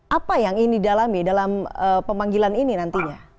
apa yang ingin didalami dalam pemanggilan ini nantinya